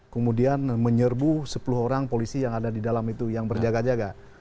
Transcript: kemudian menyerbu sepuluh orang polisi yang ada di dalam itu yang berjaga jaga